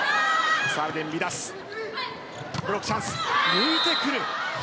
抜いてくる。